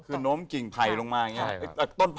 คือโน้มกิ่งไผ่ลงมาอย่างนี้